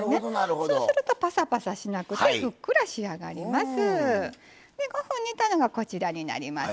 そうすると、ぱさぱさしなくてふっくら仕上がります。